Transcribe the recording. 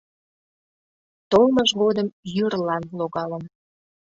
Толмыж годым йӱрлан логалын.